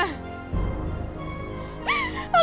aku gak mau